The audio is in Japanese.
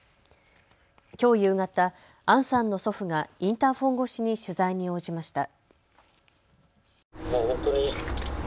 きょう夕方、杏さんの祖父がインターホン越しに取材に応じました。